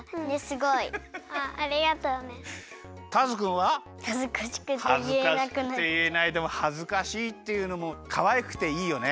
はずかしくていえないでもはずかしいっていうのもかわいくていいよね！